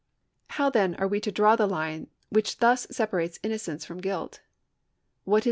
How, then, are we to draw the line which thus separates innocence from guilt